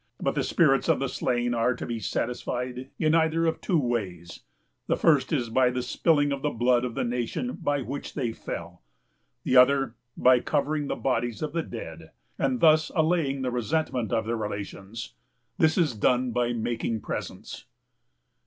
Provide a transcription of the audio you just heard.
But the spirits of the slain are to be satisfied in either of two ways; the first is by the spilling of the blood of the nation by which they fell; the other, by covering the bodies of the dead, and thus allaying the resentment of their relations. This is done by making presents.